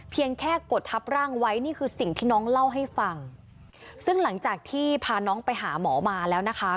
แค่กดทับร่างไว้นี่คือสิ่งที่น้องเล่าให้ฟังซึ่งหลังจากที่พาน้องไปหาหมอมาแล้วนะคะ